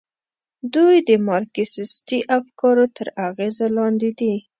دوی د مارکسیستي افکارو تر اغېز لاندې دي.